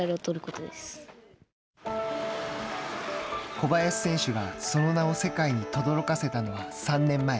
小林選手がその名を世界にとどろかせたのは３年前。